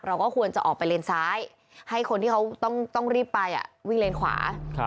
เราก็ควรจะออกไปเลนซ้ายให้คนที่เขาต้องรีบไปวิ่งเลนขวา